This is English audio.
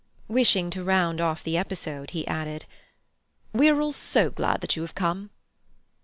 Wishing to round off the episode, he added; "We are all so glad that you have come."